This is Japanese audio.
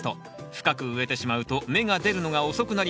深く植えてしまうと芽が出るのが遅くなります。